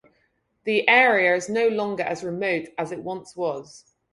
The area is no longer as remote as it once was.